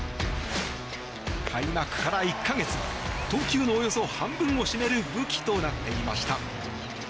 開幕から１か月投球のおよそ半分を占める武器となっていました。